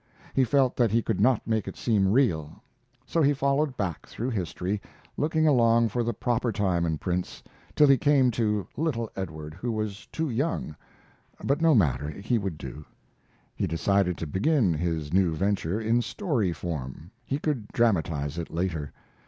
He felt that he could not make it seem real; so he followed back through history, looking along for the proper time and prince, till he came to little Edward, who was too young but no matter, he would do. He decided to begin his new venture in story form. He could dramatize it later.